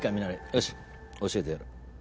よし教えてやる。